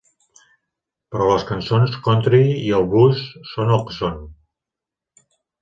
Però les cançons country i el blues són el que són.